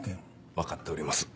わかっております。